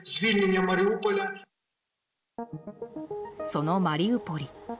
そのマリウポリ。